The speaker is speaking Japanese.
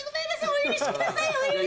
お許しください。